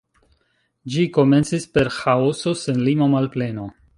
Ĝi komencis per Ĥaoso, senlima malpleno.